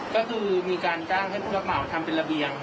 ก็คือมีการจ้างให้ผู้รับเหมาทำเป็นระเบียง